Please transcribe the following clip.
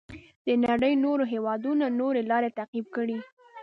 د نړۍ نورو هېوادونو نورې لارې تعقیب کړې.